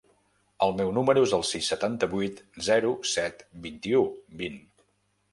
El meu número es el sis, setanta-vuit, zero, set, vint-i-u, vint.